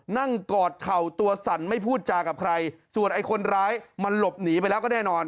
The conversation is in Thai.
กอดเข่าตัวสั่นไม่พูดจากับใครส่วนไอ้คนร้ายมันหลบหนีไปแล้วก็แน่นอน